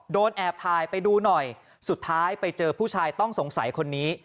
แอบถ่ายไปดูหน่อยสุดท้ายไปเจอผู้ชายต้องสงสัยคนนี้